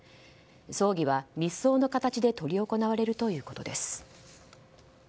葬儀は、密葬の形で執り行われるということです。